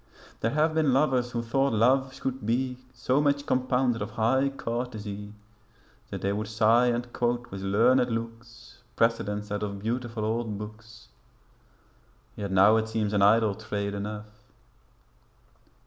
There have been lovers who thought love should be So much compounded of high courtesy That they would sigh and quote with learned looks Precedents out of beautiful old books; Yet now it seems an idle trade enough.'